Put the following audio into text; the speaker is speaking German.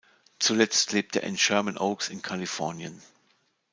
Zuletzt lebte er in Sherman Oaks in Kalifornien.